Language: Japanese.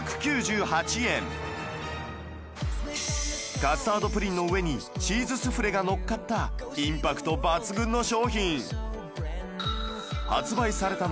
カスタードプリンの上にチーズスフレがのっかったインパクト抜群の商品